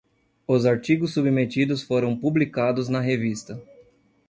Os artigos submetidos foram publicados na revista